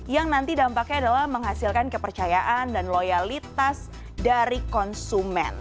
yang nanti dampaknya adalah menghasilkan kepercayaan dan loyalitas dari konsumen